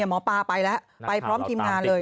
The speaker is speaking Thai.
หมอปลาไปแล้วไปพร้อมทีมงานเลย